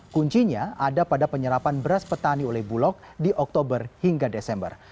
kuncinya ada pada penyerapan beras petani oleh bulog di oktober hingga desember